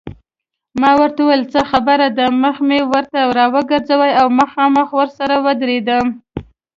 ما ورته وویل څه خبره ده، مخ مې ورته راوګرځاوه او مخامخ ورسره ودرېدم.